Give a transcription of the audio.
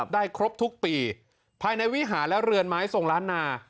ได้ครบทุกปีภายในวิหารและเรือนไม้ทรงล้านนา